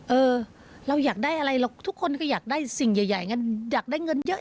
เออเราอยากได้อะไรทุกคนคืออยากได้สิ่งใหญ่อยากได้เงินเยอะ